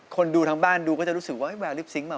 คนดูทั้งบ้านดูก็จะรู้สึกว่าแววลิปซิงค์มา